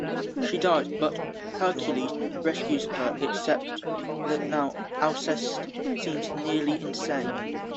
She dies, but Hercules rescues her-except that now Alceste seems nearly insane.